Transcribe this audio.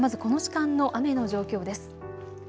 ではまずこの時間の雨の状況です。